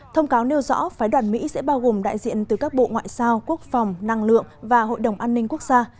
thông cáo nêu rõ phái đoàn mỹ sẽ bao gồm đại diện từ các bộ ngoại giao quốc phòng năng lượng và hội đồng an ninh quốc gia